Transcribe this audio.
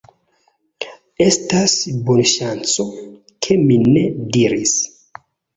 Estas bonŝanco, ke mi ne diris: